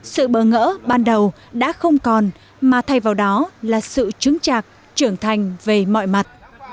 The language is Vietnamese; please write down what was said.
sự bỡ ngỡ ban đầu đã không còn mà thay vào đó là sự chứng trạc trưởng thành về mọi mặt